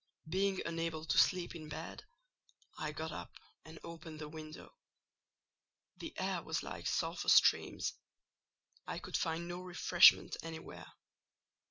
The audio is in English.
Being unable to sleep in bed, I got up and opened the window. The air was like sulphur steams—I could find no refreshment anywhere.